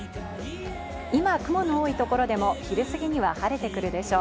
今、雲の多い所でも昼過ぎには晴れてくるでしょう。